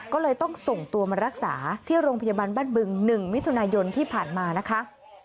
ก็เลยต้องส่งตัวมารักษาที่โรงพยาบาลบ้านบึง๑มิถุนายนที่ผ่านมานะคะ